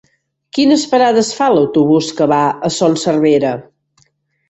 Quines parades fa l'autobús que va a Son Servera?